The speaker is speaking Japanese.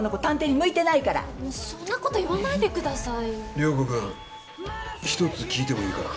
涼子君１つ聞いてもいいかな。